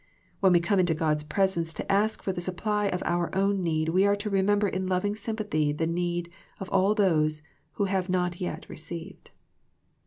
When we come into God's presence to ask for the supply of our own need we are to remember in loving sympa thy the need of all those who have not yet re ceived.